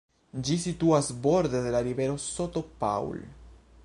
Ĝi situas borde de la rivero St. Paul.